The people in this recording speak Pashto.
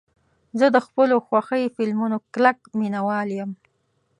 زه د خپلو خوښې فلمونو کلک مینهوال یم.